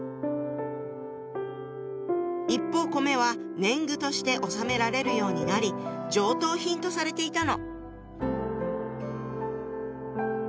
一方米は年貢として納められるようになり上等品とされていたの。